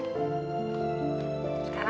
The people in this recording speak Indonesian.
nih makan ya pa